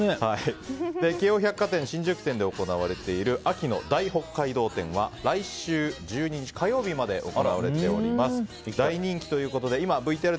京王百貨店新宿店で行われている秋の大北海道展は来週１２日チチンペイペイソフトバンク！